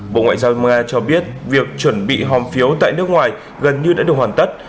bộ ngoại giao nga cho biết việc chuẩn bị hòm phiếu tại nước ngoài gần như đã được hoàn tất